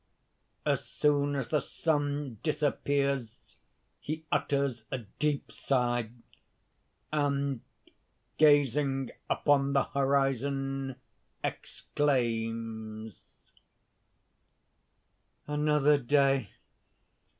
As soon as the sun disappears, he utters a deep sigh, and, gazing upon the horizon, exclaims_: "Another day!